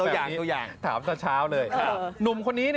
อยากรู้จักไหมล่ะ